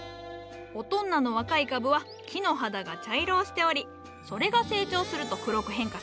オトンナの若い株は木の肌が茶色をしておりそれが成長すると黒く変化するからの。